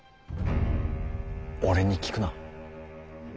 俺に聞くな。